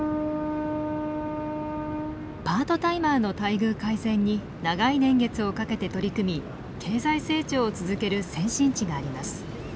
パートタイマーの待遇改善に長い年月をかけて取り組み経済成長を続ける先進地があります。